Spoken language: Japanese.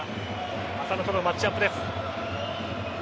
浅野とのマッチアップです。